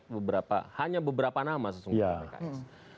beberapa hanya beberapa nama sesungguhnya pks